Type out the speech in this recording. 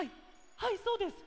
はいそうです！